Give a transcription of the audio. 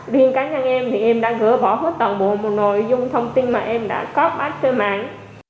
liên cá nhân em thì em đã gỡ bỏ hết tổng bộ một nội dung thông tin mà em đã có bắt trên mạng